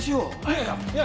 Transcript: いやいや！